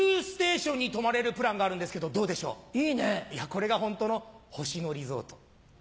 これがホントのホシノリゾート。